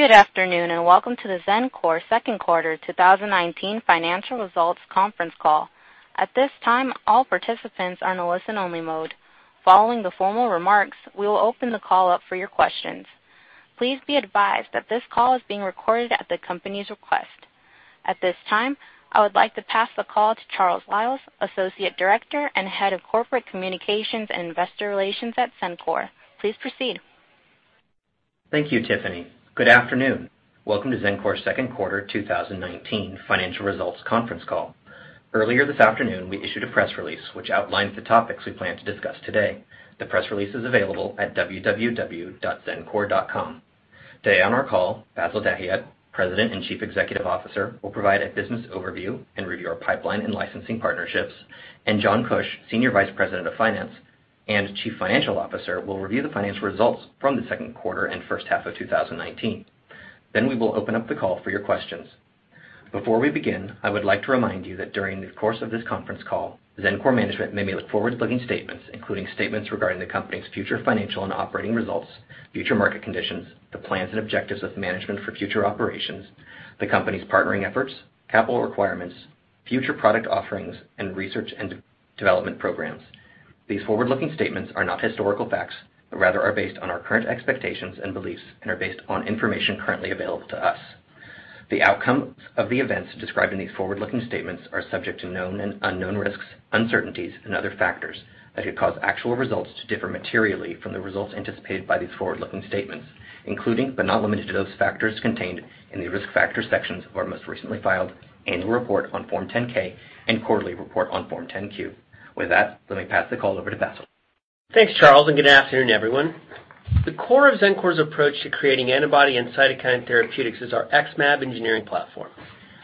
Good afternoon. Welcome to the Xencor Second Quarter 2019 financial results conference call. At this time, all participants are in a listen-only mode. Following the formal remarks, we will open the call up for your questions. Please be advised that this call is being recorded at the company's request. At this time, I would like to pass the call to Charles Liles, Associate Director and Head of Corporate Communications and Investor Relations at Xencor. Please proceed. Thank you, Tiffany. Good afternoon. Welcome to Xencor's second quarter 2019 financial results conference call. Earlier this afternoon, we issued a press release which outlines the topics we plan to discuss today. The press release is available at www.xencor.com. Today on our call, Bassil Dahiyat, President and Chief Executive Officer, will provide a business overview and review our pipeline and licensing partnerships, and John Kuch, Senior Vice President of Finance and Chief Financial Officer, will review the financial results from the second quarter and first half of 2019. We will open up the call for your questions. Before we begin, I would like to remind you that during the course of this conference call, Xencor management may make forward-looking statements, including statements regarding the company's future financial and operating results, future market conditions, the plans and objectives of management for future operations, the company's partnering efforts, capital requirements, future product offerings, and research and development programs. These forward-looking statements are not historical facts, but rather are based on our current expectations and beliefs and are based on information currently available to us. The outcomes of the events described in these forward-looking statements are subject to known and unknown risks, uncertainties, and other factors that could cause actual results to differ materially from the results anticipated by these forward-looking statements, including but not limited to those factors contained in the Risk Factors sections of our most recently filed Annual Report on Form 10-K and Quarterly Report on Form 10-Q. With that, let me pass the call over to Bassil. Thanks, Charles, and good afternoon, everyone. The core of Xencor's approach to creating antibody and cytokine therapeutics is our XmAb engineering platform.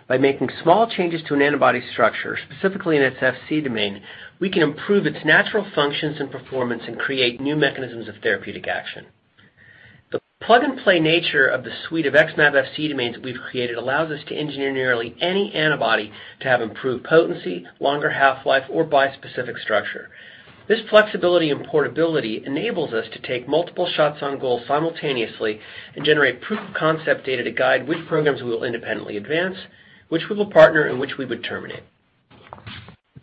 By making small changes to an antibody structure, specifically in its Fc domain, we can improve its natural functions and performance and create new mechanisms of therapeutic action. The plug-and-play nature of the suite of XmAb Fc domains we've created allows us to engineer nearly any antibody to have improved potency, longer half-life, or bispecific structure. This flexibility and portability enables us to take multiple shots on goal simultaneously and generate proof of concept data to guide which programs we will independently advance, which we will partner, and which we would terminate.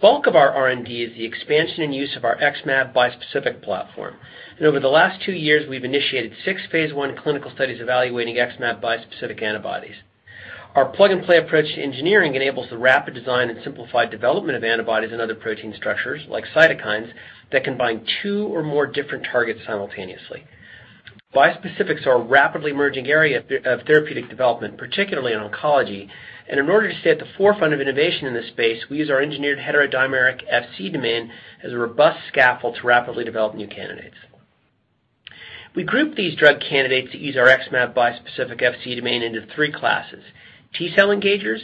The bulk of our R&D is the expansion and use of our XmAb bispecific platform, over the last two years, we've initiated six phase I clinical studies evaluating XmAb bispecific antibodies. Our plug-and-play approach to engineering enables the rapid design and simplified development of antibodies and other protein structures, like cytokines, that can bind two or more different targets simultaneously. In order to stay at the forefront of innovation in this space, we use our engineered heterodimeric Fc domain as a robust scaffold to rapidly develop new candidates. We group these drug candidates that use our XmAb bispecific Fc domain into three classes: T-cell engagers,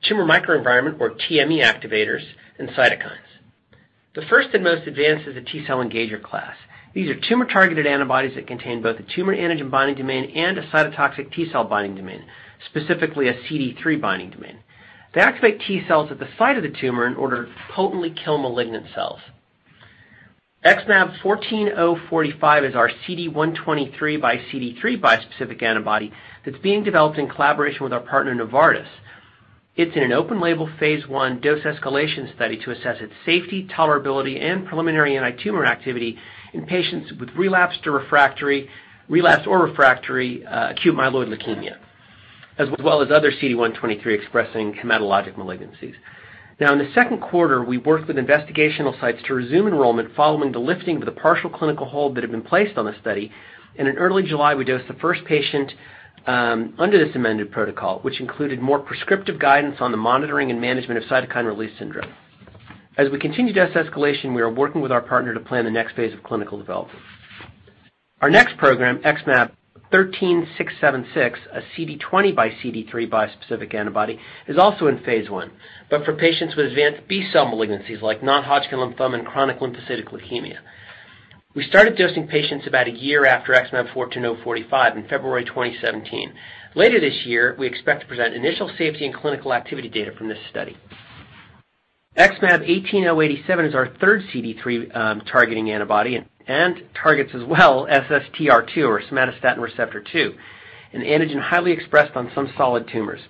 tumor microenvironment, or TME activators, and cytokines. The first and most advanced is the T-cell engager class. These are tumor-targeted antibodies that contain both a tumor antigen binding domain and a cytotoxic T-cell binding domain, specifically a CD3 binding domain. They activate T cells at the site of the tumor in order to potently kill malignant cells. XmAb14045 is our CD123 by CD3 bispecific antibody that's being developed in collaboration with our partner, Novartis. It's in an open label phase I dose escalation study to assess its safety, tolerability, and preliminary anti-tumor activity in patients with relapsed or refractory acute myeloid leukemia, as well as other CD123-expressing hematologic malignancies. Now, in the second quarter, we worked with investigational sites to resume enrollment following the lifting of the partial clinical hold that had been placed on the study, and in early July, we dosed the first patient under this amended protocol, which included more prescriptive guidance on the monitoring and management of cytokine release syndrome. As we continue dose escalation, we are working with our partner to plan the next phase of clinical development. Our next program, XmAb13676, a CD20 by CD3 bispecific antibody, is also in phase I, but for patients with advanced B-cell malignancies, like non-Hodgkin lymphoma and chronic lymphocytic leukemia. We started dosing patients about a year after XmAb14045 in February 2017. Later this year, we expect to present initial safety and clinical activity data from this study. XmAb18087 is our third CD3 targeting antibody and targets as well SSTR2 or somatostatin receptor 2, an antigen highly expressed on some solid tumors.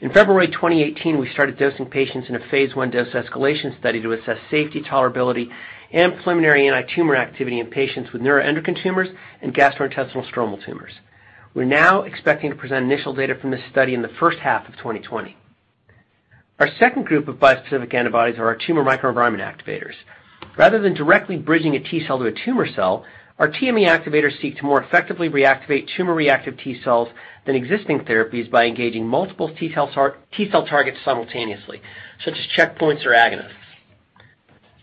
In February 2018, we started dosing patients in a phase I dose-escalation study to assess safety, tolerability, and preliminary anti-tumor activity in patients with neuroendocrine tumors and gastrointestinal stromal tumors. We're now expecting to present initial data from this study in the first half of 2020. Our second group of bispecific antibodies are our tumor microenvironment activators. Rather than directly bridging a T cell to a tumor cell, our TME activators seek to more effectively reactivate tumor-reactive T cells than existing therapies by engaging multiple T cell targets simultaneously, such as checkpoints or agonists.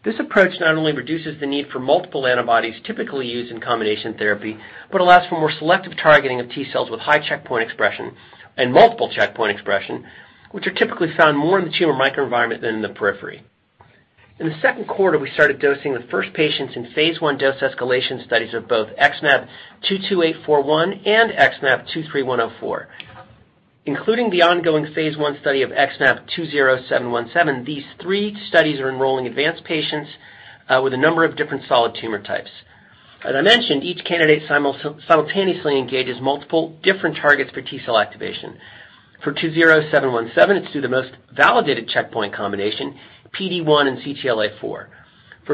This approach not only reduces the need for multiple antibodies typically used in combination therapy, but allows for more selective targeting of T cells with high checkpoint expression and multiple checkpoint expression, which are typically found more in the tumor microenvironment than in the periphery. In the second quarter, we started dosing the first patients in phase I dose escalation studies of both XmAb22841 and XmAb23104. Including the ongoing phase I study of XmAb20717, these three studies are enrolling advanced patients with a number of different solid tumor types. As I mentioned, each candidate simultaneously engages multiple different targets for T cell activation. For XmAb20717, it's through the most validated checkpoint combination, PD-1 and CTLA-4. For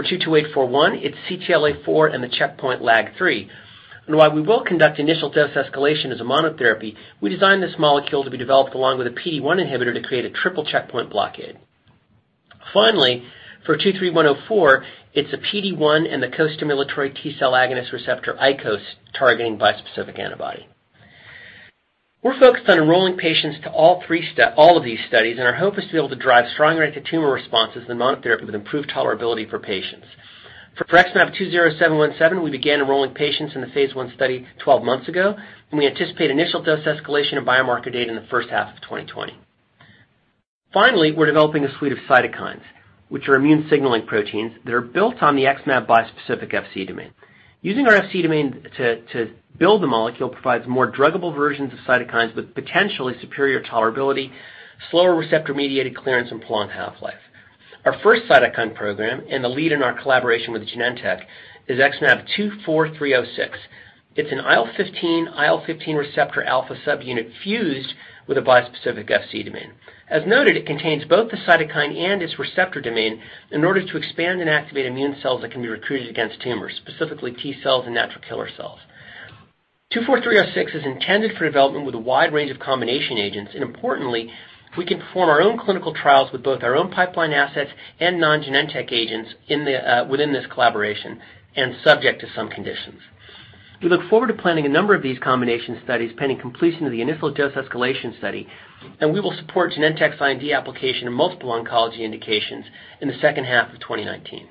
XmAb22841, it's CTLA-4 and the checkpoint LAG-3. While we will conduct initial dose escalation as a monotherapy, we designed this molecule to be developed along with a PD-1 inhibitor to create a triple checkpoint blockade. For XmAb23104, it's a PD-1 and the costimulatory T cell agonist receptor ICOS targeting bispecific antibody. We're focused on enrolling patients to all of these studies, and our hope is to be able to drive strong rate of tumor responses in monotherapy with improved tolerability for patients. For XmAb20717, we began enrolling patients in the phase I study 12 months ago, and we anticipate initial dose escalation and biomarker data in the first half of 2020. We're developing a suite of cytokines, which are immune signaling proteins that are built on the XmAb bispecific Fc domain. Using our Fc domain to build the molecule provides more druggable versions of cytokines with potentially superior tolerability, slower receptor-mediated clearance, and prolonged half-life. Our first cytokine program, and the lead in our collaboration with Genentech, is XmAb24306. It is an IL-15, IL-15 receptor alpha subunit fused with a bispecific Fc domain. As noted, it contains both the cytokine and its receptor domain in order to expand and activate immune cells that can be recruited against tumors, specifically T cells and natural killer cells. 24306 is intended for development with a wide range of combination agents. Importantly, we can perform our own clinical trials with both our own pipeline assets and non-Genentech agents within this collaboration, and subject to some conditions. We look forward to planning a number of these combination studies pending completion of the initial dose escalation study. We will support Genentech's IND application in multiple oncology indications in the second half of 2019.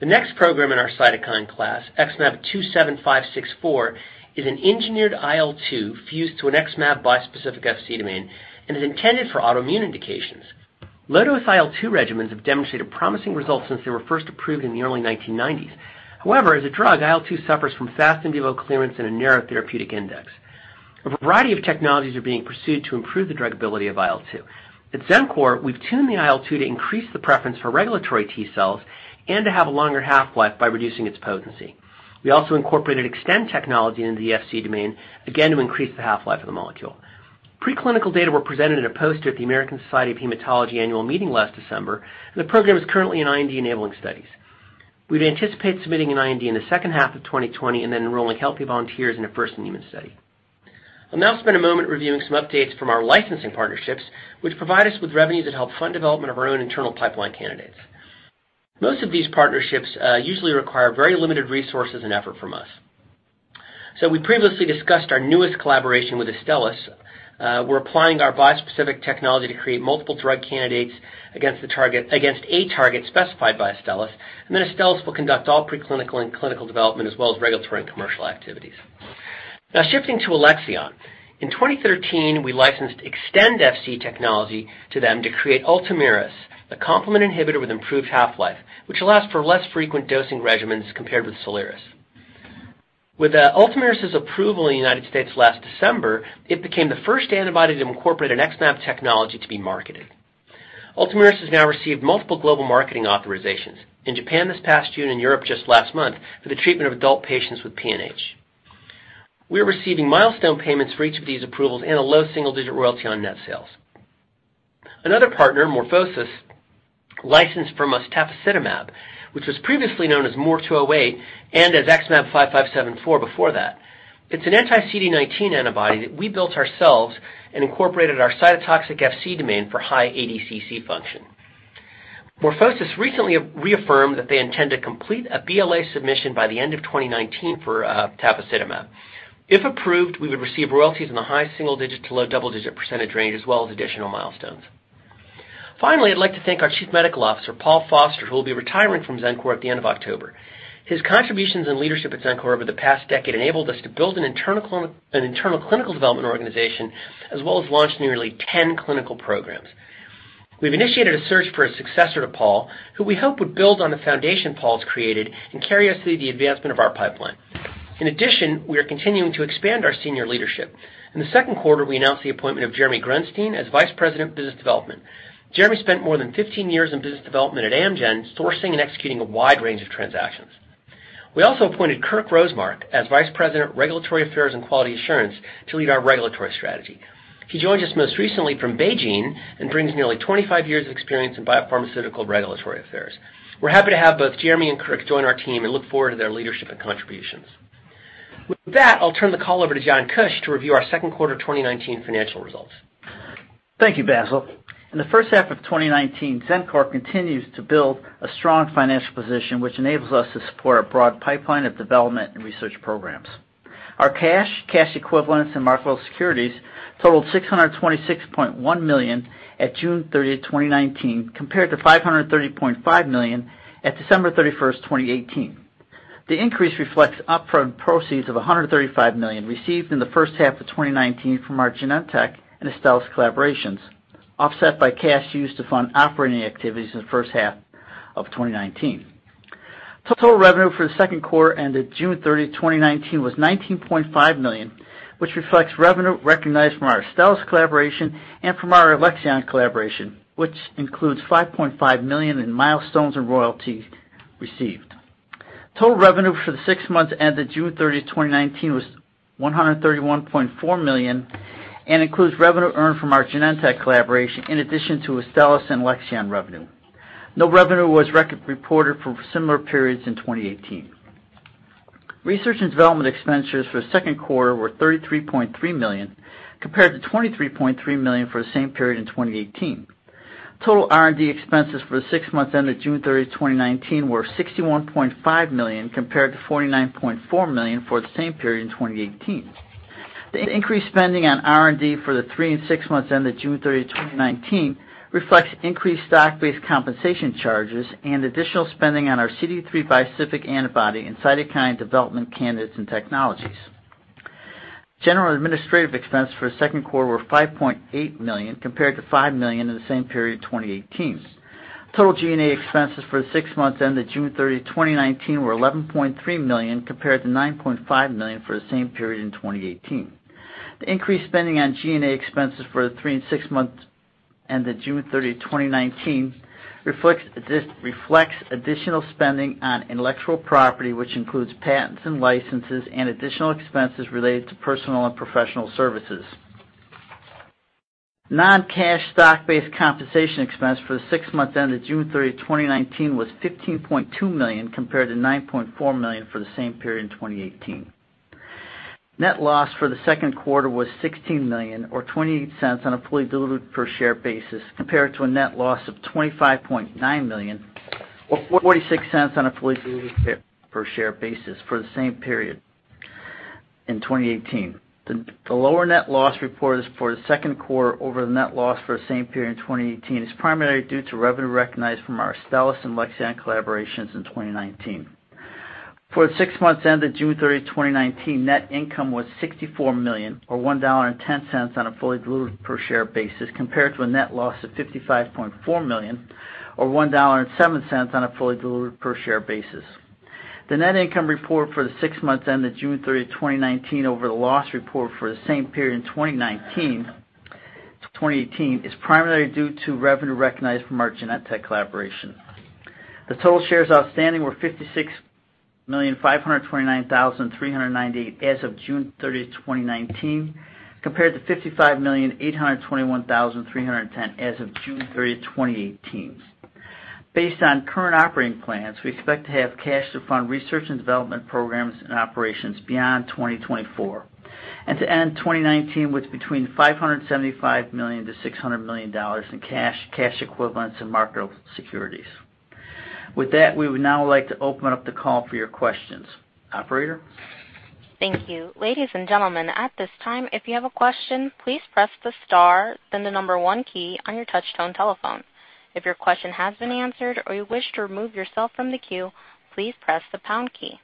The next program in our cytokine class, XmAb27564, is an engineered IL-2 fused to an XmAb bispecific Fc domain and is intended for autoimmune indications. Low-dose IL-2 regimens have demonstrated promising results since they were first approved in the early 1990s. However, as a drug, IL-2 suffers from fast in vivo clearance and a narrow therapeutic index. A variety of technologies are being pursued to improve the drug ability of IL-2. At Xencor, we've tuned the IL-2 to increase the preference for regulatory T cells and to have a longer half-life by reducing its potency. We also incorporated Xtend technology into the Fc domain, again, to increase the half-life of the molecule. Pre-clinical data were presented in a poster at the American Society of Hematology annual meeting last December, and the program is currently in IND-enabling studies. We'd anticipate submitting an IND in the second half of 2020 and then enrolling healthy volunteers in a first human study. I'll now spend a moment reviewing some updates from our licensing partnerships, which provide us with revenues that help fund development of our own internal pipeline candidates. Most of these partnerships usually require very limited resources and effort from us. We previously discussed our newest collaboration with Astellas. We're applying our bispecific technology to create multiple drug candidates against a target specified by Astellas, and then Astellas will conduct all pre-clinical and clinical development as well as regulatory and commercial activities. Shifting to Alexion. In 2013, we licensed Xtend Fc domain technology to them to create ULTOMIRIS, a complement inhibitor with improved half-life, which allows for less frequent dosing regimens compared with SOLIRIS. With ULTOMIRIS' approval in the U.S. last December, it became the first antibody to incorporate an XmAb technology to be marketed. ULTOMIRIS has now received multiple global marketing authorizations, in Japan this past June and Europe just last month, for the treatment of adult patients with PNH. We are receiving milestone payments for each of these approvals and a low single-digit royalty on net sales. Another partner, MorphoSys, licensed from us tafasitamab, which was previously known as MOR208 and as XmAb5574 before that. It's an anti-CD19 antibody that we built ourselves and incorporated our cytotoxic Fc domain for high ADCC function. MorphoSys recently reaffirmed that they intend to complete a BLA submission by the end of 2019 for tafasitamab. If approved, we would receive royalties in the high single-digit to low double-digit percentage range as well as additional milestones. Finally, I'd like to thank our Chief Medical Officer, Paul Foster, who will be retiring from Xencor at the end of October. His contributions and leadership at Xencor over the past decade enabled us to build an internal clinical development organization as well as launch nearly 10 clinical programs. We've initiated a search for a successor to Paul, who we hope would build on the foundation Paul's created and carry us through the advancement of our pipeline. We are continuing to expand our senior leadership. In the second quarter, we announced the appointment of Jeremy Grunstein as Vice President of Business Development. Jeremy spent more than 15 years in business development at Amgen, sourcing and executing a wide range of transactions. We also appointed Kirk Rosemark as Vice President of Regulatory Affairs and Quality Assurance to lead our regulatory strategy. He joins us most recently from Beijing and brings nearly 25 years of experience in biopharmaceutical regulatory affairs. We're happy to have both Jeremy and Kirk join our team and look forward to their leadership and contributions. With that, I'll turn the call over to John Kuch to review our second quarter 2019 financial results. Thank you, Bassil. In the first half of 2019, Xencor continues to build a strong financial position, which enables us to support a broad pipeline of development and research programs. Our cash equivalents, and marketable securities totaled $626.1 million at June 30th, 2019, compared to $530.5 million at December 31st, 2018. The increase reflects upfront proceeds of $135 million received in the first half of 2019 from our Genentech and Astellas collaborations, offset by cash used to fund operating activities in the first half of 2019. Total revenue for the second quarter ended June 30th, 2019 was $19.5 million, which reflects revenue recognized from our Astellas collaboration and from our Alexion collaboration, which includes $5.5 million in milestones and royalties received. Total revenue for the six months ended June 30th, 2019 was $131.4 million and includes revenue earned from our Genentech collaboration, in addition to Astellas and Alexion revenue. No revenue was reported for similar periods in 2018. Research and development expenditures for the second quarter were $33.3 million, compared to $23.3 million for the same period in 2018. Total R&D expenses for the six months ended June 30th, 2019 were $61.5 million compared to $49.4 million for the same period in 2018. The increased spending on R&D for the three and six months ended June 30th, 2019 reflects increased stock-based compensation charges and additional spending on our CD3 bispecific antibody and cytokine development candidates and technologies. General administrative expenses for the second quarter were $5.8 million, compared to $5 million in the same period in 2018. Total G&A expenses for the six months ended June 30th, 2019 were $11.3 million compared to $9.5 million for the same period in 2018. The increased spending on G&A expenses for the 3 and 6 months ended June 30th, 2019 reflects additional spending on intellectual property, which includes patents and licenses and additional expenses related to personal and professional services. Non-cash stock-based compensation expense for the 6 months ended June 30th, 2019 was $15.2 million compared to $9.4 million for the same period in 2018. Net loss for the 2nd quarter was $16 million or $0.28 on a fully diluted per share basis, compared to a net loss of $25.9 million or $0.46 on a fully diluted per share basis for the same period in 2018. The lower net loss reported for the 2nd quarter over the net loss for the same period in 2018 is primarily due to revenue recognized from our Astellas and Alexion collaborations in 2019. For the six months ended June 30th, 2019, net income was $64 million, or $1.10 on a fully diluted per share basis, compared to a net loss of $55.4 million or $1.07 on a fully diluted per share basis. The net income report for the six months ended June 30th, 2019, over the loss report for the same period in 2019 to 2018 is primarily due to revenue recognized from our Genentech collaboration. The total shares outstanding were 56,529,398 as of June 30th, 2019, compared to 55,821,310 as of June 30th, 2018. Based on current operating plans, we expect to have cash to fund research and development programs and operations beyond 2024, and to end 2019 with between $575 million-$600 million in cash equivalents, and marketable securities. With that, we would now like to open up the call for your questions. Operator? Thank you. Ladies and gentlemen, at this time, if you have a question, please press the star, then the number one key on your touchtone telephone. If your question has been answered or you wish to remove yourself from the queue, please press the pound key.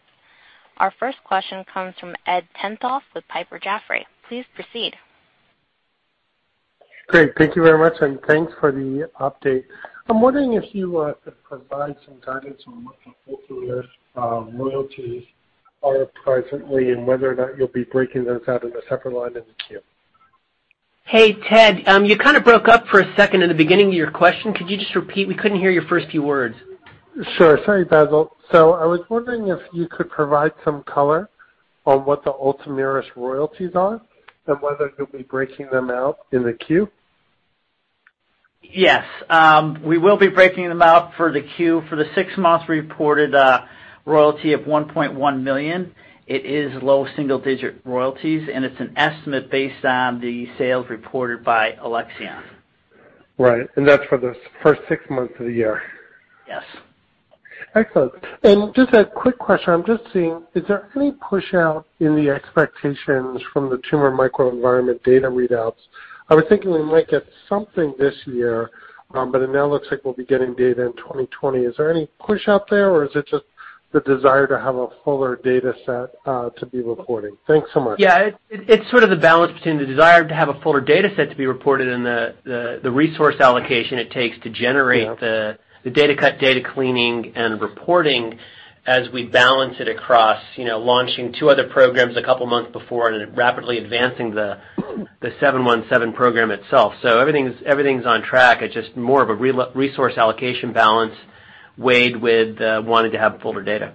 Our first question comes from Edward Tenthoff with Piper Jaffray. Please proceed. Great. Thank you very much, and thanks for the update. I'm wondering if you could provide some guidance on what the ULTOMIRIS royalties are presently and whether or not you'll be breaking those out in a separate line in the Q. Hey, Ted. You kind of broke up for a second at the beginning of your question. Could you just repeat? We couldn't hear your first few words. Sure. Sorry, Bassil. I was wondering if you could provide some color on what the ULTOMIRIS royalties are and whether you'll be breaking them out in the Q? Yes. We will be breaking them out for the Q. For the six months reported, royalty of $1.1 million, it is low single-digit royalties, and it's an estimate based on the sales reported by Alexion. Right. That's for the first six months of the year? Yes. Excellent. Just a quick question. I'm just seeing, is there any push-out in the expectations from the tumor microenvironment data readouts? I was thinking we might get something this year, it now looks like we'll be getting data in 2020. Is there any push-out there, is it just the desire to have a fuller data set to be reporting? Thanks so much. Yeah. It's sort of the balance between the desire to have a fuller data set to be reported and the resource allocation it takes. Yeah the data cut, data cleaning, and reporting as we balance it across launching two other programs a couple of months before and rapidly advancing the 717 program itself. Everything's on track. It's just more of a resource allocation balance weighed with wanting to have fuller data.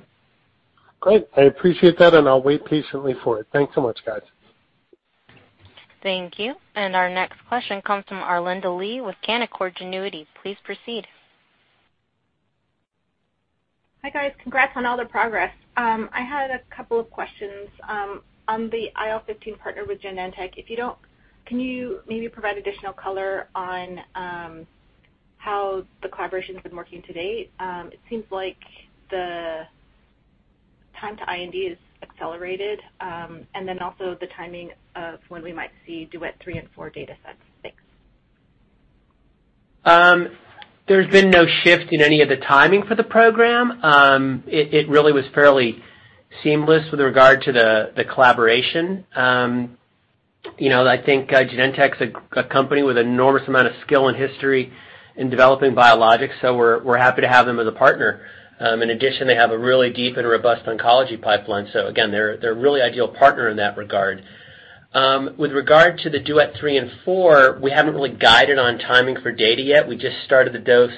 Great. I appreciate that, and I'll wait patiently for it. Thanks so much, guys. Thank you. Our next question comes from Arlinda Lee with Canaccord Genuity. Please proceed. Hi, guys. Congrats on all the progress. I had a couple of questions. On the IL-15 partner with Genentech, can you maybe provide additional color on how the collaboration's been working to date? It seems like the time to IND is accelerated, and then also the timing of when we might see DUET 3 and 4 data sets. Thanks. There's been no shift in any of the timing for the program. It really was fairly seamless with regard to the collaboration. I think Genentech's a company with an enormous amount of skill and history in developing biologics, so we're happy to have them as a partner. In addition, they have a really deep and robust oncology pipeline. Again, they're a really ideal partner in that regard. With regard to the DUET-3 and 4, we haven't really guided on timing for data yet. We just started the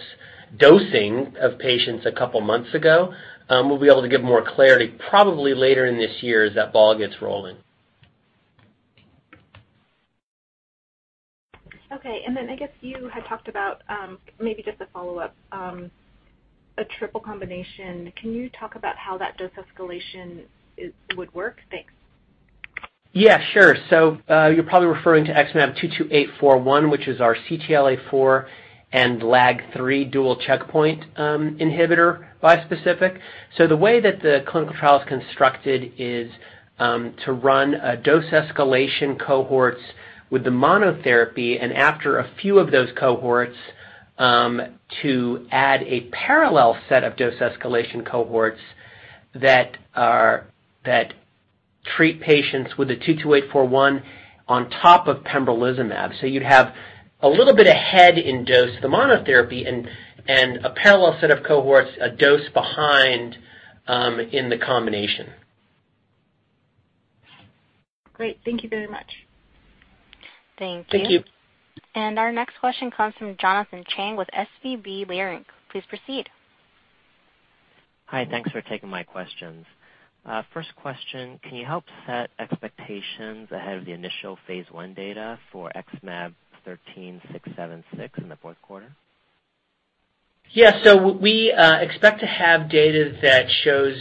dosing of patients a couple of months ago. We'll be able to give more clarity probably later in this year as that ball gets rolling. Okay, I guess you had talked about, maybe just a follow-up, a triple combination. Can you talk about how that dose escalation would work? Thanks. Yeah, sure. You're probably referring to XmAb22841, which is our CTLA-4 and LAG-3 dual checkpoint inhibitor bispecific. The way that the clinical trial is constructed is to run dose escalation cohorts with the monotherapy, and after a few of those cohorts, to add a parallel set of dose escalation cohorts that treat patients with the 22841 on top of pembrolizumab. You'd have a little bit ahead in dose the monotherapy and a parallel set of cohorts, a dose behind in the combination. Great. Thank you very much. Thank you. Thank you. Our next question comes from Jonathan Chang with SVB Leerink. Please proceed. Hi. Thanks for taking my questions. First question, can you help set expectations ahead of the initial phase I data for XmAb13676 in the fourth quarter? Yeah. We expect to have data that shows,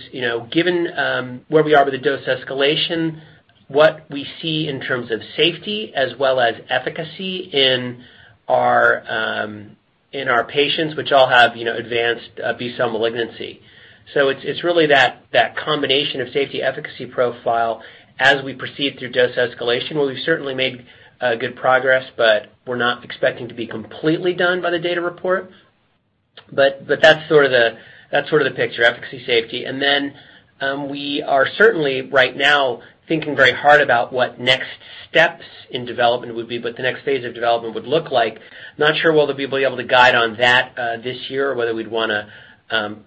given where we are with the dose escalation, what we see in terms of safety as well as efficacy in our patients, which all have advanced B-cell malignancy. It's really that combination of safety efficacy profile as we proceed through dose escalation, where we've certainly made good progress, but we're not expecting to be completely done by the data report. That's sort of the picture, efficacy, safety. We are certainly right now thinking very hard about what next steps in development would be, what the next phase of development would look like. Not sure whether we'll be able to guide on that this year or whether we'd want to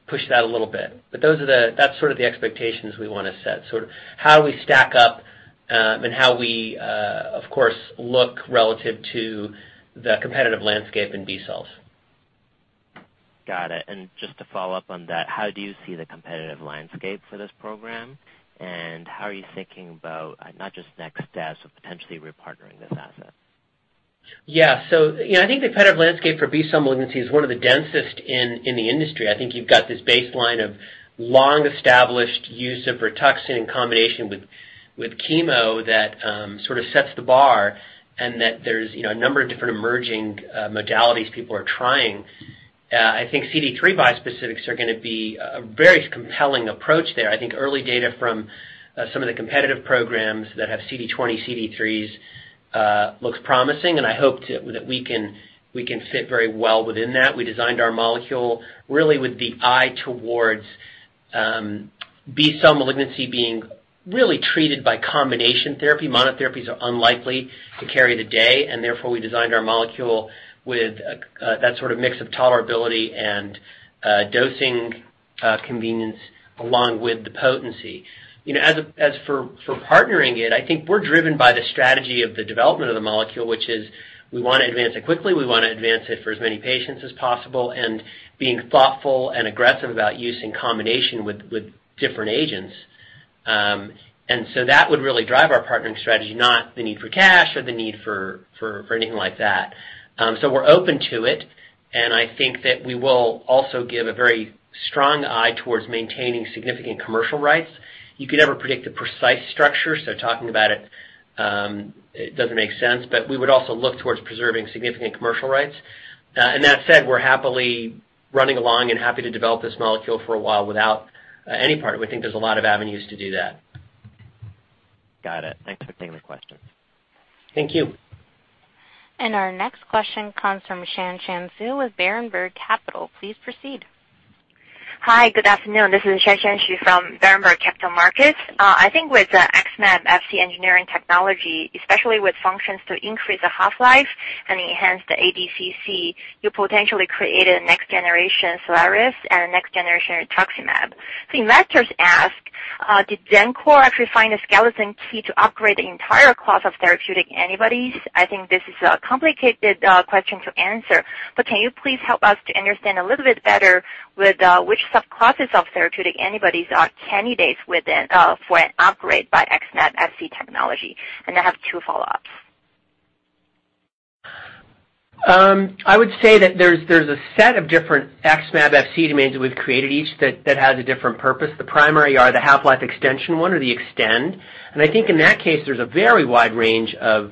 push that a little bit. That's sort of the expectations we want to set, how we stack up and how we, of course, look relative to the competitive landscape in B-cells. Got it. Just to follow up on that, how do you see the competitive landscape for this program, and how are you thinking about not just next steps, but potentially re-partnering this asset? Yeah. I think the competitive landscape for B-cell malignancy is one of the densest in the industry. I think you've got this baseline of long-established use of Rituxan in combination with chemo that sort of sets the bar, and that there's a number of different emerging modalities people are trying. I think CD3 bispecifics are going to be a very compelling approach there. I think early data from some of the competitive programs that have CD20, CD3s looks promising, and I hope that we can fit very well within that. We designed our molecule really with the eye towards B-cell malignancy being really treated by combination therapy. Monotherapies are unlikely to carry the day, and therefore we designed our molecule with that sort of mix of tolerability and dosing convenience along with the potency. As for partnering it, I think we're driven by the strategy of the development of the molecule, which is we want to advance it quickly, we want to advance it for as many patients as possible, and being thoughtful and aggressive about using combination with different agents. That would really drive our partnering strategy, not the need for cash or the need for anything like that. We're open to it, and I think that we will also give a very strong eye towards maintaining significant commercial rights. You could never predict the precise structure, so talking about it doesn't make sense. We would also look towards preserving significant commercial rights. That said, we're happily running along and happy to develop this molecule for a while without any partner. We think there's a lot of avenues to do that. Got it. Thanks for taking the question. Thank you. Our next question comes from Shanshan Xu with Berenberg Capital. Please proceed. Hi, good afternoon. This is Shanshan Xu from Berenberg Capital Markets. I think with the XmAb Fc engineering technology, especially with functions to increase the half-life and enhance the ADCC, you potentially created a next-generation SOLIRIS and a next-generation rituximab. Investors ask, did Xencor actually find a skeleton key to upgrade the entire class of therapeutic antibodies? I think this is a complicated question to answer, but can you please help us to understand a little bit better with which subclasses of therapeutic antibodies are candidates for an upgrade by XmAb Fc technology? I have two follow-ups. I would say that there's a set of different XmAb Fc domains we've created, each that has a different purpose. The primary are the half-life extension one or the Xtend. I think in that case, there's a very wide range of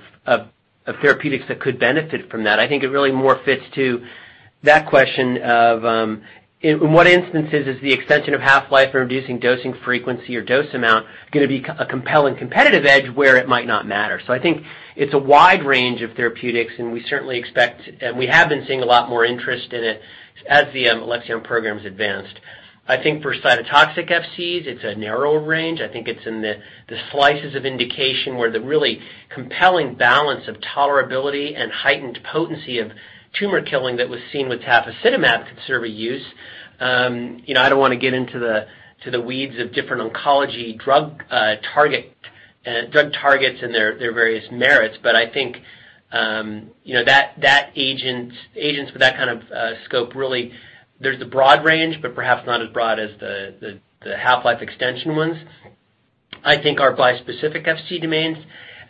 therapeutics that could benefit from that. I think it really more fits to that question of in what instances is the extension of half-life or reducing dosing frequency or dose amount going to be a compelling competitive edge where it might not matter? I think it's a wide range of therapeutics, and we certainly expect, and we have been seeing a lot more interest in it as the Alexion programs advanced. I think for cytotoxic FCs, it's a narrower range. I think it's in the slices of indication where the really compelling balance of tolerability and heightened potency of tumor killing that was seen with tafasitamab conservative use. I don't want to get into the weeds of different oncology drug targets and their various merits, but I think agents with that kind of scope, really, there's the broad range, but perhaps not as broad as the half-life extension ones. I think our bispecific Fc domains,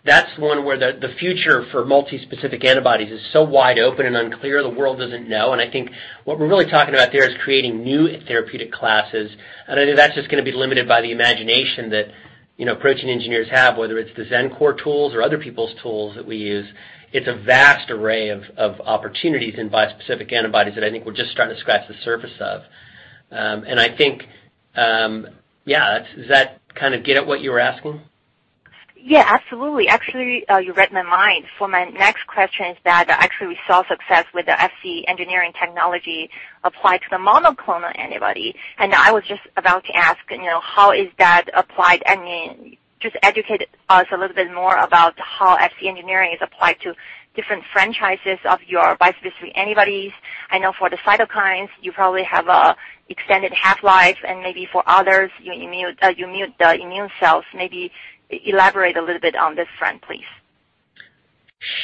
that's one where the future for multi-specific antibodies is so wide open and unclear, the world doesn't know. I think what we're really talking about there is creating new therapeutic classes, and I think that's just going to be limited by the imagination that protein engineers have, whether it's the Xencor tools or other people's tools that we use. It's a vast array of opportunities in bispecific antibodies that I think we're just starting to scratch the surface of. I think, does that kind of get at what you were asking? Yeah, absolutely. Actually, you read my mind. For my next question is that actually we saw success with the Fc engineering technology applied to the monoclonal antibody. I was just about to ask, how is that applied? Just educate us a little bit more about how Fc engineering is applied to different franchises of your bispecific antibodies. I know for the cytokines, you probably have a extended half-life, and maybe for others, you mute the immune cells. Maybe elaborate a little bit on this front, please.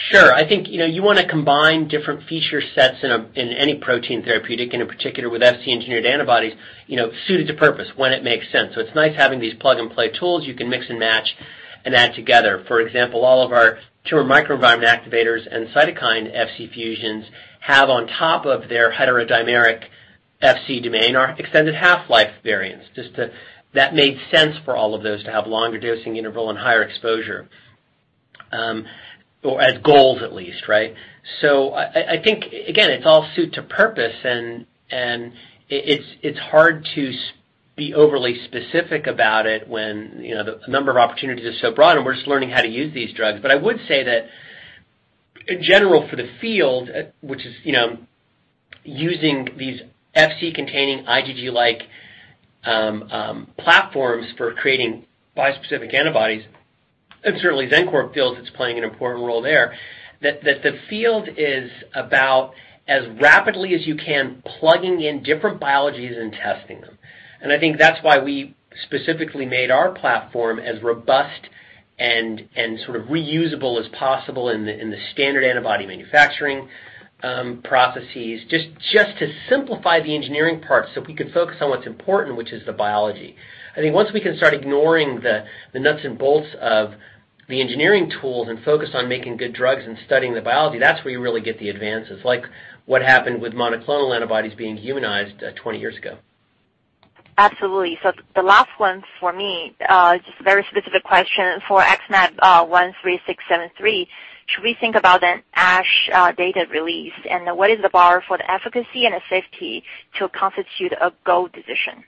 Sure. I think you want to combine different feature sets in any protein therapeutic, and in particular with Fc engineered antibodies, suited to purpose when it makes sense. It's nice having these plug-and-play tools you can mix and match and add together. For example, all of our tumor microenvironment activators and cytokine Fc fusions have on top of their heterodimeric Fc domain, our extended half-life variants. That made sense for all of those to have longer dosing interval and higher exposure, or as goals at least, right? I think, again, it's all suit to purpose, and it's hard to be overly specific about it when the number of opportunities is so broad, and we're just learning how to use these drugs. I would say that in general, for the field, which is using these Fc-containing IgG-like platforms for creating bispecific antibodies, and certainly Xencor feels it's playing an important role there, that the field is about as rapidly as you can, plugging in different biologies and testing them. I think that's why we specifically made our platform as robust and reusable as possible in the standard antibody manufacturing processes, just to simplify the engineering parts so we could focus on what's important, which is the biology. I think once we can start ignoring the nuts and bolts of the engineering tools and focus on making good drugs and studying the biology, that's where you really get the advances, like what happened with monoclonal antibodies being humanized 20 years ago. The last one for me, just a very specific question for XmAb13673. Should we think about an ASH data release? What is the bar for the efficacy and the safety to constitute a go decision?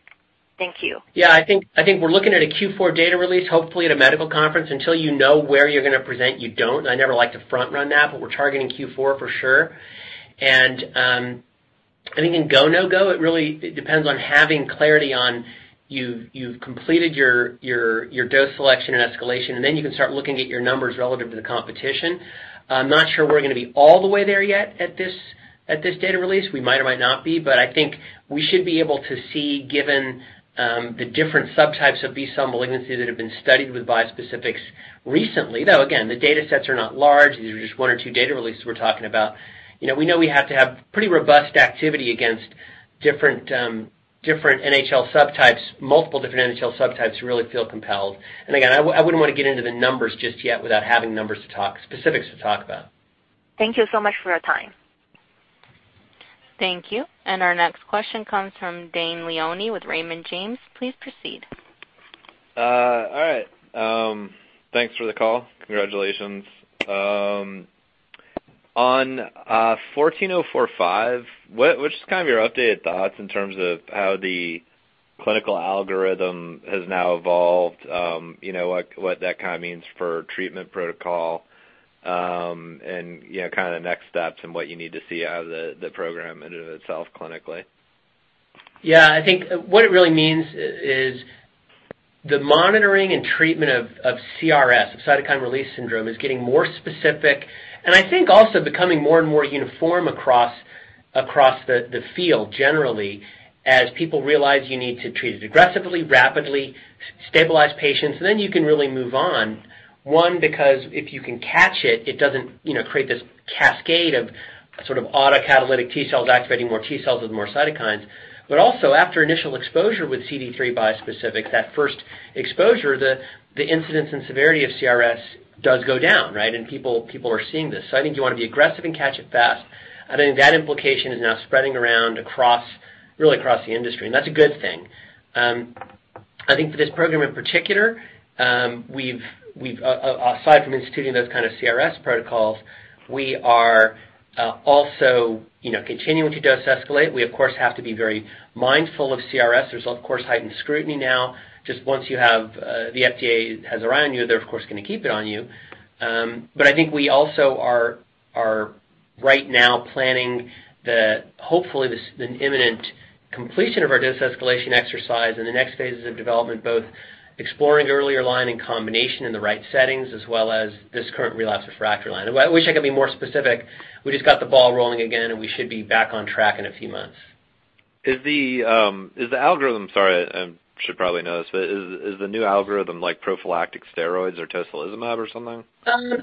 Thank you. Yeah, I think we're looking at a Q4 data release, hopefully at a medical conference. Until you know where you're going to present, you don't. I never like to front-run that. We're targeting Q4 for sure. I think in go, no go, it depends on having clarity on you've completed your dose selection and escalation, and then you can start looking at your numbers relative to the competition. I'm not sure we're going to be all the way there yet at this data release. We might or might not be. I think we should be able to see, given the different subtypes of B-cell malignancies that have been studied with bispecifics recently, though, again, the datasets are not large. These are just one or two data releases we're talking about. We know we have to have pretty robust activity against different NHL subtypes, multiple different NHL subtypes to really feel compelled. Again, I wouldn't want to get into the numbers just yet without having numbers to talk, specifics to talk about. Thank you so much for your time. Thank you. Our next question comes from Dane Leone with Raymond James. Please proceed. All right. Thanks for the call. Congratulations. On 14045, what's your updated thoughts in terms of how the clinical algorithm has now evolved, what that means for treatment protocol, and the next steps and what you need to see out of the program in and of itself clinically? Yeah, I think what it really means is the monitoring and treatment of CRS, of cytokine release syndrome, is getting more specific, and I think also becoming more and more uniform across the field generally, as people realize you need to treat it aggressively, rapidly, stabilize patients. You can really move on. One, because if you can catch it doesn't create this cascade of autocatalytic T cells activating more T cells with more cytokines. Also, after initial exposure with CD3 bispecific, that first exposure, the incidence and severity of CRS does go down, right? People are seeing this. I think you want to be aggressive and catch it fast. I think that implication is now spreading around really across the industry, and that's a good thing. I think for this program in particular, aside from instituting those kind of CRS protocols, we are also continuing to dose escalate. We, of course, have to be very mindful of CRS. There's, of course, heightened scrutiny now. Just once you have the FDA has their eye on you, they're, of course, going to keep it on you. I think we also are right now planning the, hopefully, the imminent completion of our dose escalation exercise and the next phases of development, both exploring earlier line and combination in the right settings, as well as this current relapse refractory line. I wish I could be more specific. We just got the ball rolling again, we should be back on track in a few months. Sorry, I should probably know this, is the new algorithm prophylactic steroids or tocilizumab or something?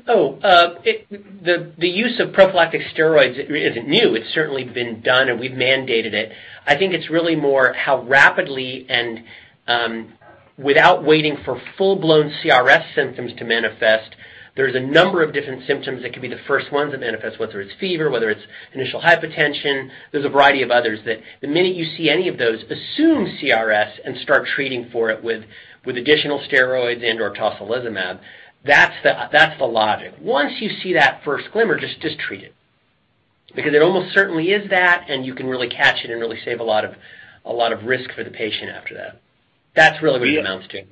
Oh, the use of prophylactic steroids isn't new. It's certainly been done, and we've mandated it. I think it's really more how rapidly, without waiting for full-blown CRS symptoms to manifest. There's a number of different symptoms that could be the first ones that manifest, whether it's fever, whether it's initial hypotension. There's a variety of others that the minute you see any of those, assume CRS and start treating for it with additional steroids and/or tocilizumab. That's the logic. Once you see that first glimmer, just treat it. It almost certainly is that, and you can really catch it and really save a lot of risk for the patient after that. That's really what it amounts to. Yeah.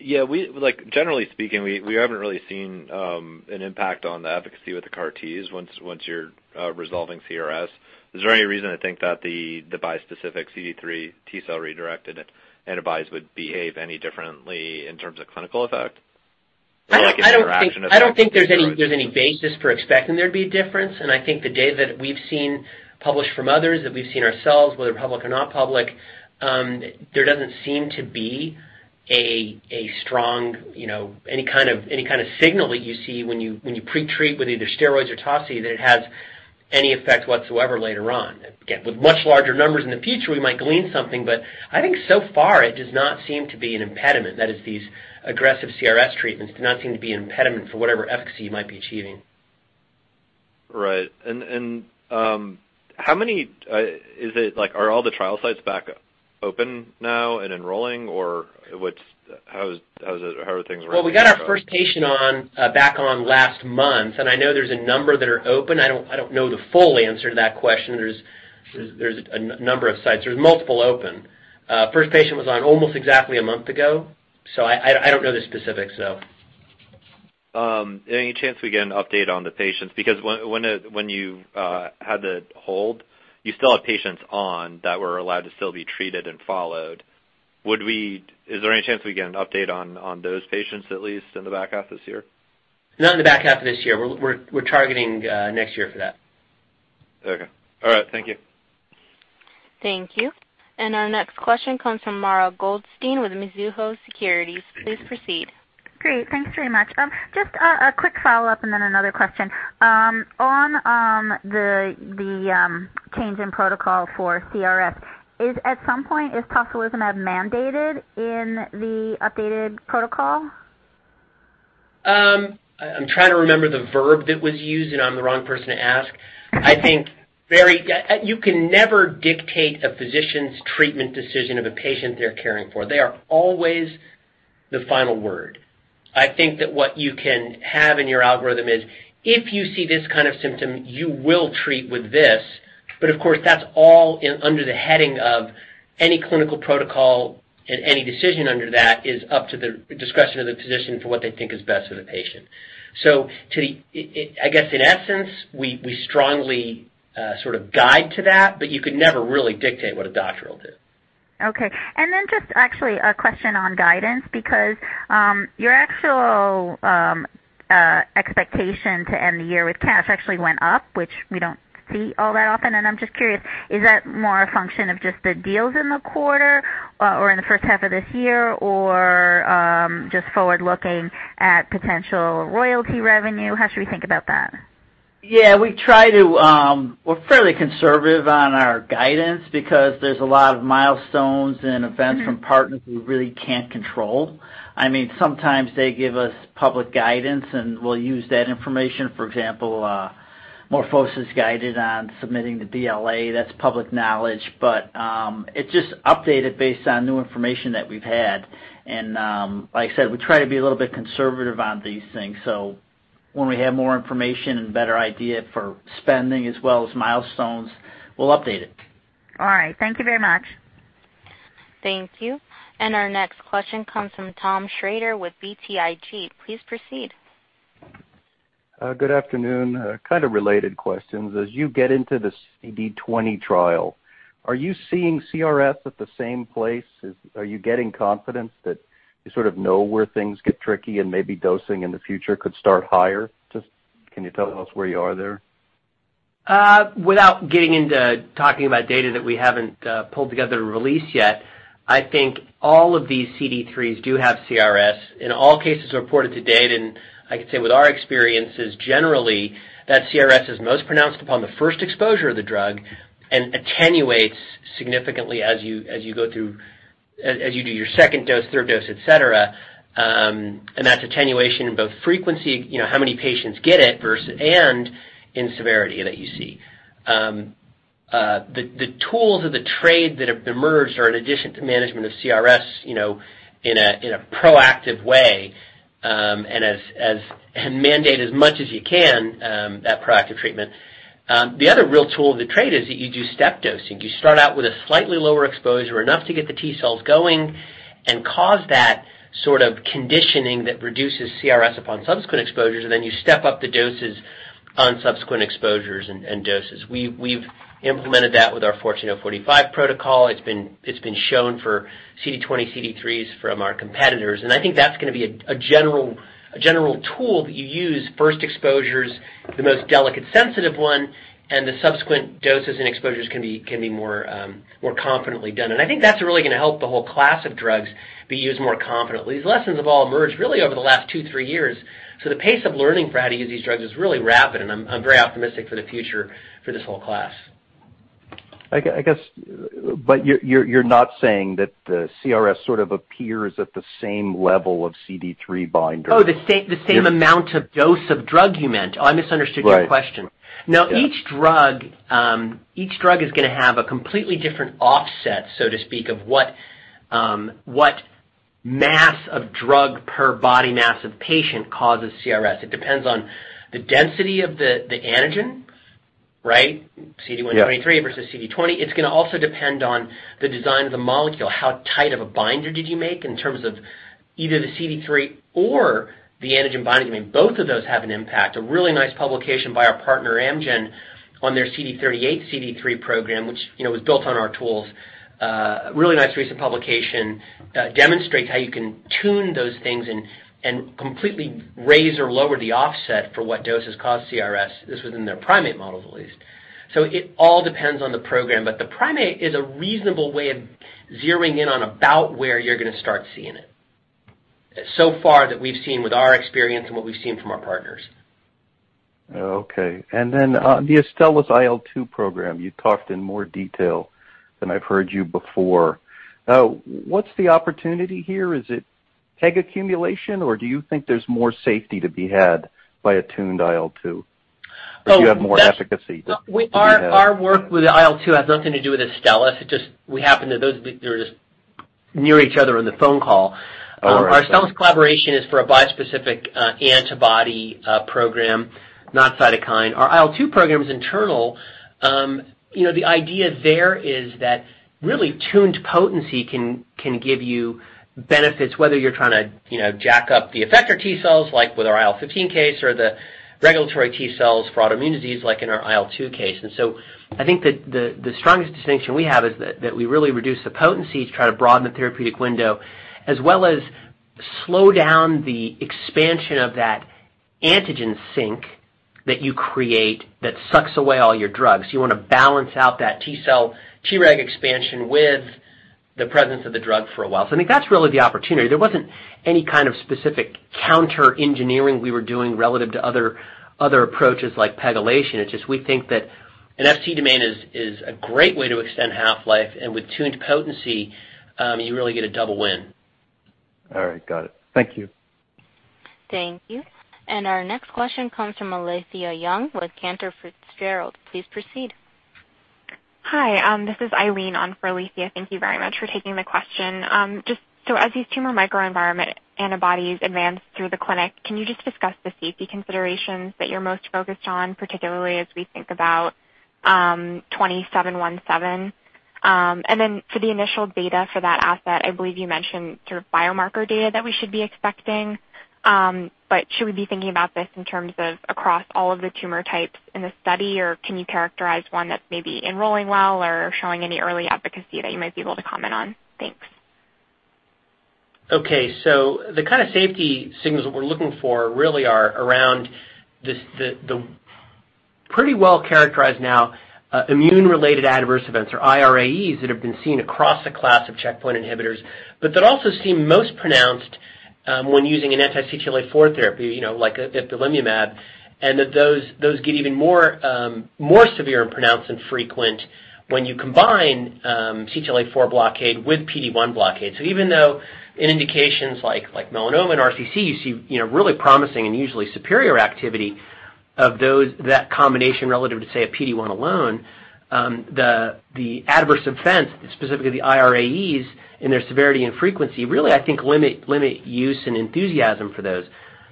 Generally speaking, we haven't really seen an impact on the efficacy with the CAR T once you are resolving CRS. Is there any reason to think that the bispecific CD3 T-cell redirected antibodies would behave any differently in terms of clinical effect? I don't think there's any basis for expecting there'd be a difference. I think the data that we've seen published from others, that we've seen ourselves, whether public or not public, there doesn't seem to be any kind of signal that you see when you pre-treat with either steroids or tocilizumab, that it has any effect whatsoever later on. Again, with much larger numbers in the future, we might glean something. I think so far it does not seem to be an impediment. That is, these aggressive CRS treatments do not seem to be an impediment for whatever efficacy you might be achieving. Right. Are all the trial sites back open now and enrolling, or how are things rolling out? Well, we got our first patient back on last month. I know there's a number that are open. I don't know the full answer to that question. There's a number of sites. There's multiple open. First patient was on almost exactly a month ago. I don't know the specifics, though. Any chance we get an update on the patients? Because when you had the hold, you still had patients on that were allowed to still be treated and followed. Is there any chance we get an update on those patients, at least in the back half of this year? Not in the back half of this year. We're targeting next year for that. Okay. All right. Thank you. Thank you. Our next question comes from Mara Goldstein with Mizuho Securities. Please proceed. Great. Thanks very much. Just a quick follow-up and then another question. On the change in protocol for CRS, at some point, is tocilizumab mandated in the updated protocol? I'm trying to remember the verb that was used, and I'm the wrong person to ask. I think you can never dictate a physician's treatment decision of a patient they're caring for. They are always the final word. I think that what you can have in your algorithm is, if you see this kind of symptom, you will treat with this. Of course, that's all under the heading of any clinical protocol, and any decision under that is up to the discretion of the physician for what they think is best for the patient. I guess in essence, we strongly sort of guide to that, but you could never really dictate what a doctor will do. Okay. Just actually a question on guidance, because your actual expectation to end the year with cash actually went up, which we don't see all that often, and I'm just curious, is that more a function of just the deals in the quarter or in the first half of this year, or just forward-looking at potential royalty revenue? How should we think about that? Yeah, we're fairly conservative on our guidance because there's a lot of milestones and events from partners we really can't control. Sometimes they give us public guidance, and we'll use that information. For example, MorphoSys guided on submitting the BLA, that's public knowledge. It's just updated based on new information that we've had. Like I said, we try to be a little bit conservative on these things, so when we have more information and better idea for spending as well as milestones, we'll update it. All right. Thank you very much. Thank you. Our next question comes from Thomas Schrader with BTIG. Please proceed. Good afternoon. Kind of related questions. As you get into the CD20 trial, are you seeing CRS at the same place? Are you getting confidence that you sort of know where things get tricky and maybe dosing in the future could start higher? Just can you tell us where you are there? Without getting into talking about data that we haven't pulled together to release yet, I think all of these CD3s do have CRS. All cases are reported to date. I can say with our experiences generally, that CRS is most pronounced upon the first exposure of the drug and attenuates significantly as you do your second dose, third dose, et cetera. That's attenuation in both frequency, how many patients get it, and in severity that you see. The tools of the trade that have emerged are in addition to management of CRS in a proactive way, mandate as much as you can that proactive treatment. The other real tool of the trade is that you do step dosing. You start out with a slightly lower exposure, enough to get the T-cells going and cause that sort of conditioning that reduces CRS upon subsequent exposures, and then you step up the doses on subsequent exposures. We've implemented that with our XmAb14045 protocol. It's been shown for CD20, CD3s from our competitors, and I think that's going to be a general tool that you use. First exposures, the most delicate, sensitive one, and the subsequent doses and exposures can be more confidently done. I think that's really going to help the whole class of drugs be used more confidently. These lessons have all emerged really over the last two, three years, so the pace of learning for how to use these drugs is really rapid, and I'm very optimistic for the future for this whole class. I guess, you're not saying that the CRS sort of appears at the same level of CD3 binders? The same amount of dose of drug, you meant. I misunderstood your question. Right. Yeah. Each drug is going to have a completely different offset, so to speak, of what mass of drug per body mass of patient causes CRS. It depends on the density of the antigen, right? Yeah. CD123 versus CD20. It's going to also depend on the design of the molecule, how tight of a binder did you make in terms of either the CD3 or the antigen binding. Both of those have an impact. A really nice publication by our partner Amgen on their CD38, CD3 program, which was built on our tools. A really nice recent publication demonstrates how you can tune those things and completely raise or lower the offset for what doses cause CRS. This was in their primate models, at least. It all depends on the program, but the primate is a reasonable way of zeroing in on about where you're going to start seeing it. So far that we've seen with our experience and what we've seen from our partners. Okay. On the Astellas IL-2 program, you talked in more detail than I've heard you before. What's the opportunity here? Is it PEG accumulation, or do you think there's more safety to be had by a tuned IL-2? Do you have more efficacy that you can have? Our work with IL-2 has nothing to do with Astellas. They were just near each other on the phone call. All right. Our Astellas collaboration is for a bispecific antibody program, not cytokine. Our IL-2 program's internal. The idea there is that really tuned potency can give you benefits whether you're trying to jack up the effector T-cells, like with our IL-15 case, or the regulatory T-cells for autoimmunities, like in our IL-2 case. I think that the strongest distinction we have is that we really reduce the potency to try to broaden the therapeutic window as well as slow down the expansion of that antigen sink that you create that sucks away all your drugs. You want to balance out that T-cell Treg expansion with the presence of the drug for a while. I think that's really the opportunity. There wasn't any kind of specific counter-engineering we were doing relative to other approaches like PEGylation. It's just we think that an Fc domain is a great way to Xtend half-life, and with tuned potency, you really get a double win. All right. Got it. Thank you. Thank you. Our next question comes from Alethia Young with Cantor Fitzgerald. Please proceed. Hi, this is Eileen on for Alethia. Thank you very much for taking the question. As these tumor microenvironment antibodies advance through the clinic, can you just discuss the safety considerations that you're most focused on, particularly as we think about 2717? For the initial data for that asset, I believe you mentioned sort of biomarker data that we should be expecting. Should we be thinking about this in terms of across all of the tumor types in the study, or can you characterize one that may be enrolling well or showing any early efficacy that you might be able to comment on? Thanks. Okay. The kind of safety signals that we're looking for really are around the pretty well-characterized now immune-related adverse events, or irAEs, that have been seen across a class of checkpoint inhibitors, but that also seem most pronounced when using an anti-CTLA-4 therapy, like ipilimumab, and that those get even more severe and pronounced and frequent when you combine CTLA-4 blockade with PD-1 blockade. Even though in indications like melanoma and RCC, you see really promising and usually superior activity of that combination relative to, say, a PD-1 alone, the adverse events, specifically the irAEs and their severity and frequency, really, I think, limit use and enthusiasm for those.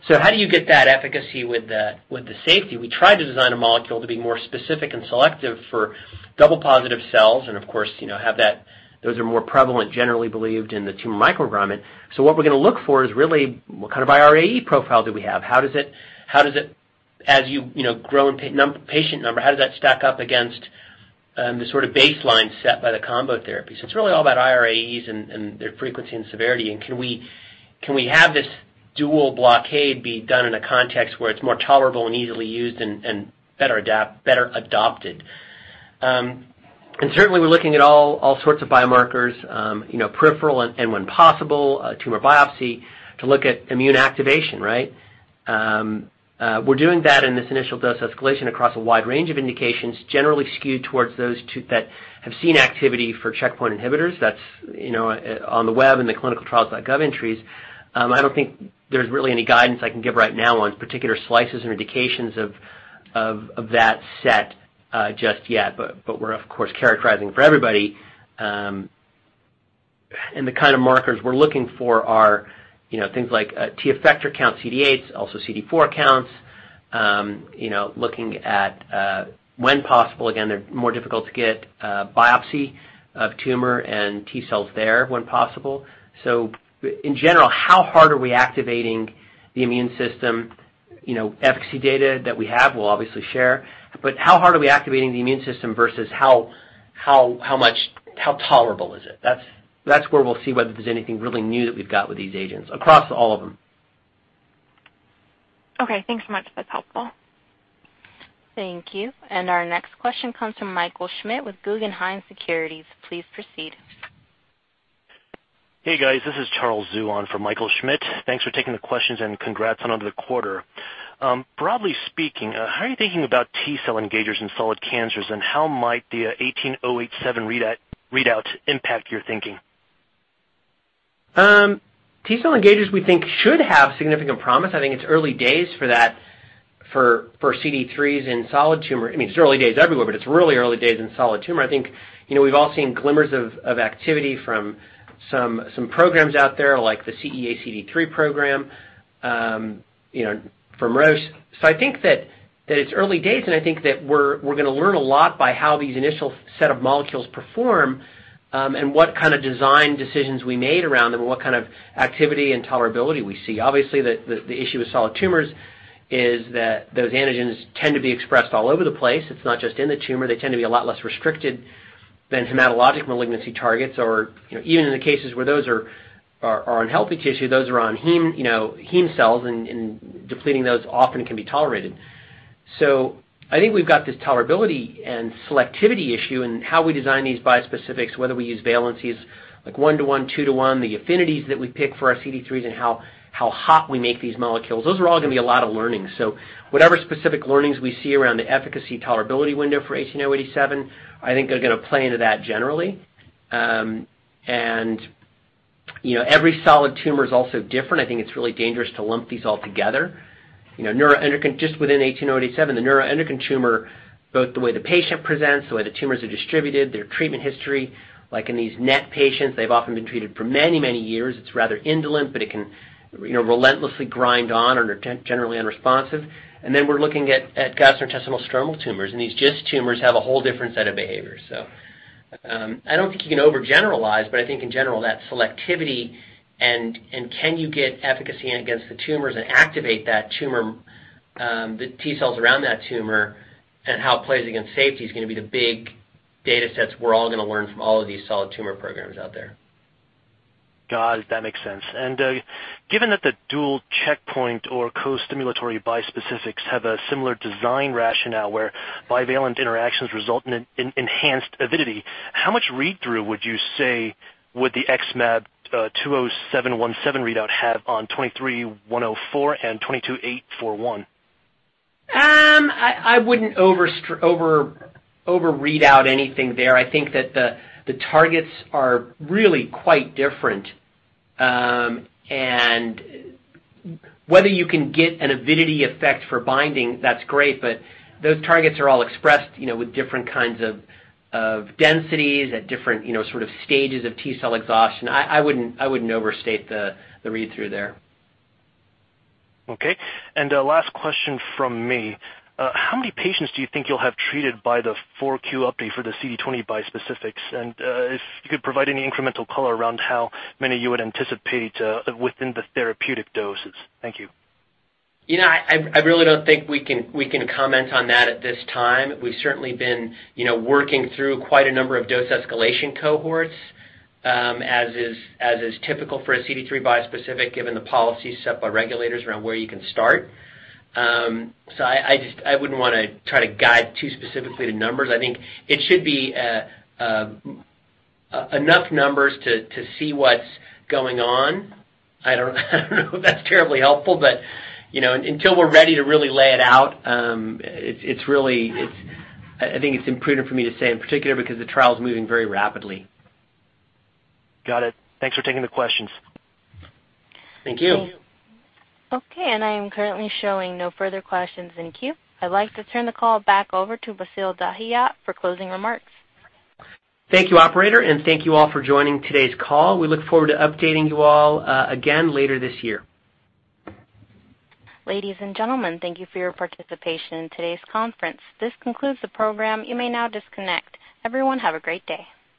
How do you get that efficacy with the safety? We try to design a molecule to be more specific and selective for double positive cells and, of course, those are more prevalent, generally believed in the tumor microenvironment. What we're going to look for is really what kind of irAE profile do we have? As you grow in patient number, how does that stack up against the sort of baseline set by the combo therapy? It's really all about irAEs and their frequency and severity, and can we have this dual blockade be done in a context where it's more tolerable and easily used and better adopted? Certainly, we're looking at all sorts of biomarkers, peripheral and when possible, a tumor biopsy to look at immune activation, right? We're doing that in this initial dose escalation across a wide range of indications, generally skewed towards those that have seen activity for checkpoint inhibitors. That's on the web and the ClinicalTrials.gov entries. I don't think there's really any guidance I can give right now on particular slices or indications of that set just yet, but we're of course characterizing for everybody. The kind of markers we're looking for are things like T effector count CD8s, also CD4 counts. Looking at when possible, again, they're more difficult to get a biopsy of tumor and T cells there when possible. In general, how hard are we activating the immune system? Efficacy data that we have, we'll obviously share, but how hard are we activating the immune system versus how tolerable is it? That's where we'll see whether there's anything really new that we've got with these agents across all of them. Okay. Thanks so much. That's helpful. Thank you. Our next question comes from Michael Schmidt with Guggenheim Securities. Please proceed. Hey, guys. This is Charles Zhu on for Michael Schmidt. Thanks for taking the questions, and congrats on another quarter. Broadly speaking, how are you thinking about T-cell engagers in solid cancers, and how might the XmAb18087 readout impact your thinking? T-cell engagers, we think, should have significant promise. I think it's early days for that, for CD3s in solid tumor. It's early days everywhere, but it's really early days in solid tumor. I think we've all seen glimmers of activity from some programs out there, like the CEA-CD3 program from Roche. I think that it's early days, and I think that we're going to learn a lot by how these initial set of molecules perform and what kind of design decisions we made around them, and what kind of activity and tolerability we see. Obviously, the issue with solid tumors is that those antigens tend to be expressed all over the place. It's not just in the tumor. They tend to be a lot less restricted than hematologic malignancy targets. Even in the cases where those are unhealthy tissue, those are on heme cells, and depleting those often can be tolerated. I think we've got this tolerability and selectivity issue, and how we design these bispecifics, whether we use valencies like one-to-one, two-to-one, the affinities that we pick for our CD3s and how hot we make these molecules, those are all going to be a lot of learning. Whatever specific learnings we see around the efficacy tolerability window for XmAb18087, I think are going to play into that generally. Every solid tumor is also different. I think it's really dangerous to lump these all together. Just within XmAb18087, the neuroendocrine tumor, both the way the patient presents, the way the tumors are distributed, their treatment history. Like in these NET patients, they've often been treated for many, many years. It's rather indolent, but it can relentlessly grind on and are generally unresponsive. We're looking at gastrointestinal stromal tumors, and these GIST tumors have a whole different set of behaviors. I don't think you can overgeneralize, but I think in general, that selectivity and can you get efficacy against the tumors and activate the T-cells around that tumor, and how it plays against safety is going to be the big datasets we're all going to learn from all of these solid tumor programs out there. Got it. That makes sense. Given that the dual checkpoint or co-stimulatory bispecifics have a similar design rationale where bivalent interactions result in enhanced avidity, how much read-through would you say would the XmAb20717 readout have on 23104 and 22841? I wouldn't over-read out anything there. I think that the targets are really quite different, and whether you can get an avidity effect for binding, that's great, but those targets are all expressed with different kinds of densities at different stages of T-cell exhaustion. I wouldn't overstate the read-through there. Okay. Last question from me. How many patients do you think you'll have treated by the 4Q update for the CD20 bispecifics? If you could provide any incremental color around how many you would anticipate within the therapeutic doses. Thank you. I really don't think we can comment on that at this time. We've certainly been working through quite a number of dose escalation cohorts, as is typical for a CD3 bispecific, given the policies set by regulators around where you can start. I wouldn't want to try to guide too specifically to numbers. I think it should be enough numbers to see what's going on. I don't know if that's terribly helpful, but until we're ready to really lay it out, I think it's imprudent for me to say in particular, because the trial is moving very rapidly. Got it. Thanks for taking the questions. Thank you. Okay. I am currently showing no further questions in queue. I'd like to turn the call back over to Bassil Dahiyat for closing remarks. Thank you, operator, and thank you all for joining today's call. We look forward to updating you all again later this year. Ladies and gentlemen, thank you for your participation in today's conference. This concludes the program. You may now disconnect. Everyone, have a great day.